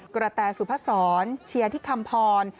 กระแตสุพศรเชียร์ที่คำพร